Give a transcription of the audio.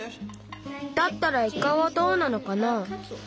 だったらイカはどうなのかな？